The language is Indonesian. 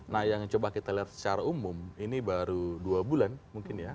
nah yang coba kita lihat secara umum ini baru dua bulan mungkin ya